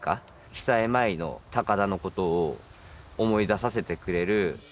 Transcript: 被災前の高田のことを思い出させてくれる。